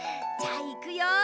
じゃあいくよ。